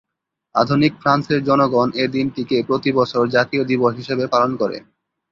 আধুনিক ফ্রান্সের জনগণ এ দিনটিকে প্রতি বছর জাতীয় দিবস হিসেবে পালন করে।